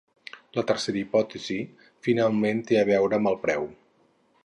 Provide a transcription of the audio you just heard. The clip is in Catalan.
La tercera hipòtesi, finalment, té a veure amb el preu.